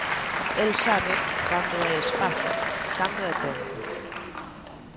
El sabe cando é espazo, cando é tempo.